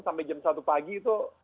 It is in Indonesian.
sampai jam satu pagi itu